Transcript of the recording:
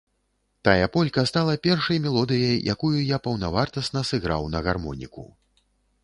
Тая полька стала першай мелодыяй, якую я паўнавартасна сыграў на гармоніку.